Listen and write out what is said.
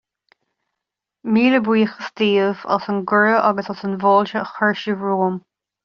Míle buíochas daoibh as an gcuireadh agus as an bhfáilte a chuir sibh romham.